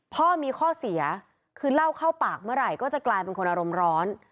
ข้อมีข้อเสียคือเล่าเข้าปากเมื่อไหร่ก็จะกลายเป็นคนอารมณ์ร้อน